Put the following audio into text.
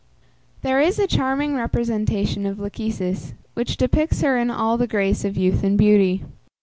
There is a charming representation of Lachesis, which depicts her in all the grace of youth and beauty.